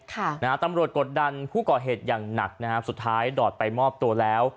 ค่ะนะฮะตำรวจกดดันผู้ก่อเหตุอย่างหนักนะฮะสุดท้ายดอดไปมอบตัวแล้ว